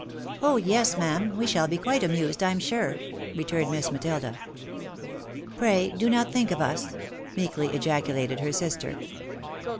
" Oh ! yes, ma'am ! we shall be quite amused, I'm sure," returned Miss Matilda. " Pray do not think of us !" meekly ejaculated her sister.